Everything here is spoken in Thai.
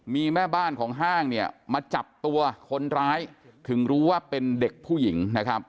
มีแม่บ้านของห้างเนี่ยมาจับตัวคนร้ายถึงรู้ว่าเป็นเด็กผู้หญิงนะครับ